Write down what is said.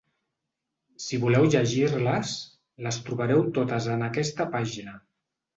Si voleu llegir-les, les trobareu totes en aquesta pàgina.